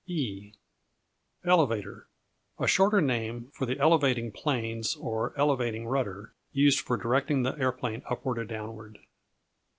E Elevator A shorter name for the elevating planes or elevating rudder, used for directing the aeroplane upward or downward.